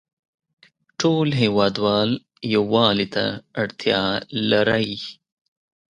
ټول هیوادوال یووالې ته اړتیا لری